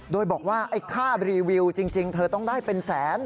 โดยบอกว่าไอ้ค่ารีวิวจริงเธอต้องได้เป็นแสน